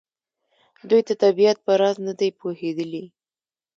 دوی د طبیعت په راز نه دي پوهېدلي.